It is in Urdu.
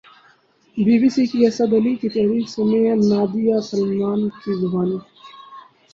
بی بی سی کے اسد علی کی تحریر سنیے نادیہ سلیمان کی زبانی